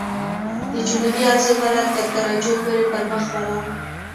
د جنوبي عرض البلد تر درجو پورې پرمخ ولاړ.